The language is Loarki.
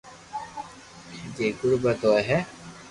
جي غريب ھوئي ھي